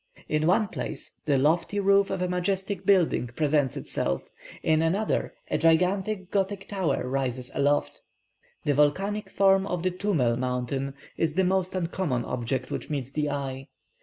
In one place the lofty roof of a majestic building presents itself in another, a gigantic Gothic tower rises aloft. The volcanic form of the Tumel mountain is the most uncommon object which meets the eye.